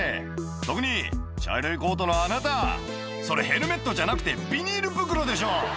「特に茶色いコートのあなたそれヘルメットじゃなくてビニール袋でしょ」